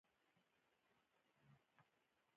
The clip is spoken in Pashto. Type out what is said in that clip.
دا کیسې د خلکو تر منځ یووالی رامنځ ته کوي.